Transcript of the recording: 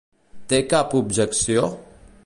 Té cap objecció?